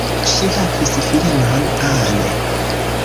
Ŝi havis filinon, Anne.